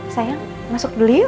sayang masuk dulu yuk